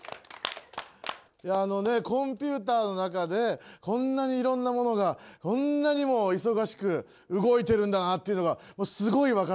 あのねコンピュータの中でこんなにいろんなものがこんなにも忙しく動いてるんだなっていうのがすごい分かったから。